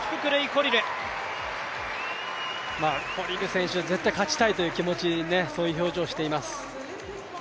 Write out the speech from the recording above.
コリル選手、絶対勝ちたいという気持ち、そういう表情をしています。